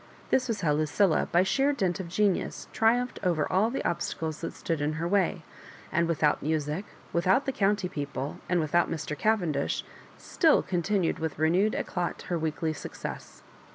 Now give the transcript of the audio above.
This was how Lucilla, by sheer dint of genius, triumphed over all the obstades that stood in her way ; and without music, without the county people, and without Mr. Cavendish, still continued with renewed eclat her weekly success.